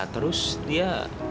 lah terus dia